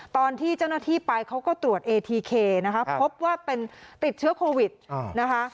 ตอนที่เจ้าหน้าที่ไปเขาก็ตรวจเอทีเคนะคะพบว่าเป็นติดเชื้อโควิดนะคะ